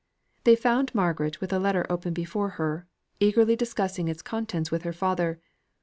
They found Margaret with a letter open before her, eagerly discussing its contents with her father.